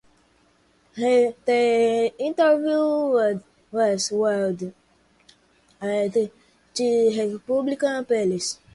The interview was held at the Republican Palace.